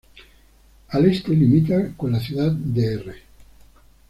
Al este limita con la Ciudad Dr.